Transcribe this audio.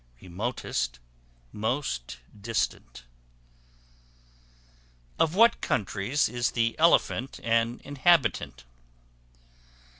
Remotest, most distant. Of what countries is the Elephant an inhabitant?